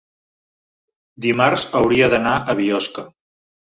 dimarts hauria d'anar a Biosca.